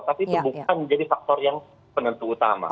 tapi itu bukan menjadi faktor yang penentu utama